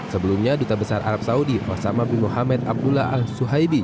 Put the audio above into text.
sebelumnya duta besar arab saudi wassalamu'alaikum warahmatullahi wabarakatuh